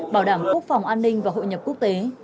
bảo đảm quốc phòng an ninh và hội nhập quốc tế